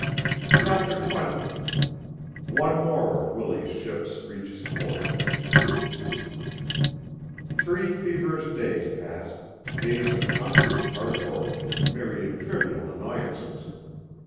CHAPTER XX ONE MORE OF WILLIE'S SHIPS REACHES PORT Three feverish days passed, days of constant hard work and myriad trivial annoyances.